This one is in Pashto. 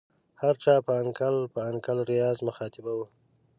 هر چا په انکل یا انکل ریاض مخاطبه وه.